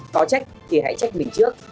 có trách thì hãy trách mình trước